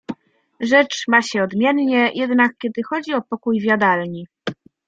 "Rzecz ma się odmiennie, jednak kiedy chodzi o pokój w jadalni."